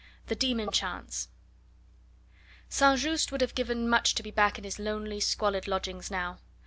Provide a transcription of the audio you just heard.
THE DEMON CHANCE St. Just would have given much to be back in his lonely squalid lodgings now.